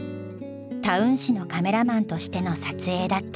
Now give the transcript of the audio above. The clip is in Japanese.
タウン誌のカメラマンとしての撮影だった。